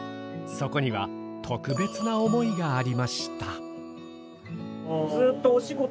そこには特別な思いがありました。